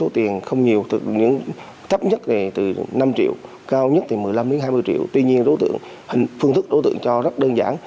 thấp nhất từ năm triệu cao nhất từ một mươi năm hai mươi triệu tuy nhiên phương thức đối tượng cho rất đơn giản